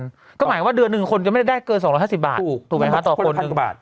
ก็หมายความว่าเดือนหนึ่งคนก็ไม่ได้เกิน๒๕๐บาทต่อคน